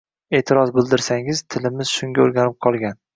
E’tiroz bildirsangiz, tilimiz shunga o‘rganib qolgan.